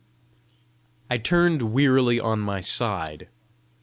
I turned wearily on my side.